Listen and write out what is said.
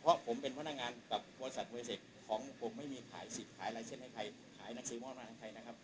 เข้าขึ้นมาฝ่ายปลาความละเมิดข้าวจิตธรรมดานะครับ